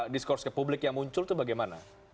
diskursi publik yang muncul itu bagaimana